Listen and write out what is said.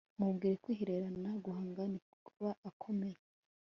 mubwire kwihererana guhanga niba akomeye